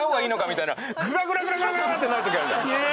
みたいなグラグラグラグラグラってなる時あるじゃん。